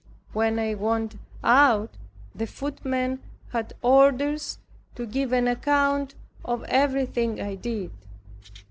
When I went out, the footmen had orders to give an account of everything I did.